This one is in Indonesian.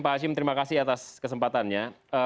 pak hashim terima kasih atas kesempatannya